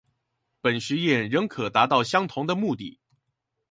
本實驗仍可達到相同的目的